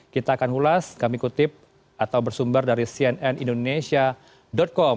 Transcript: kita akan ulas kami kutip atau bersumber dari cnn indonesia com